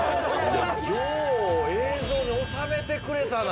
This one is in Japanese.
「よう映像に収めてくれたな」